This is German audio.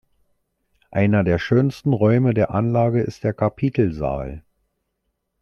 Einer der schönsten Räume der Anlage ist der Kapitelsaal.